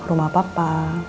ke rumah papa